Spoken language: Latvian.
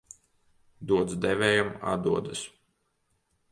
Dots devējām atdodas.